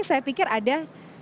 saya pikir ada